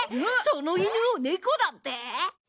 その犬を猫だって？